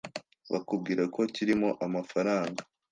bakubwira ko kirimo amafaranga